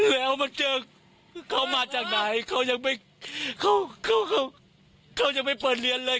แล้วมาเจอเขามาจากไหนเขายังไม่เขายังไม่เปิดเรียนเลย